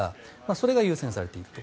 それが優先されていると。